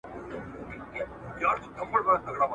ماوې طبیبب به څه مرحم دزخمي زړه ولري